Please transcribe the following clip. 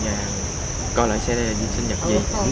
để đến khảo sát xem xét coi lại sẽ là sinh nhật gì